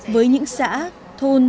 với những xã thôn